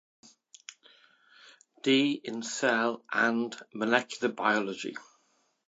D in cell and molecular biology.